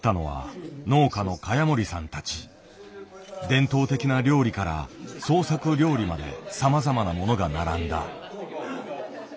伝統的な料理から創作料理までさまざまなものが並んだ。